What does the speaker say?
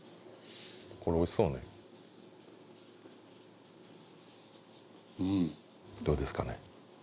これおいしそうねうんどうですかね？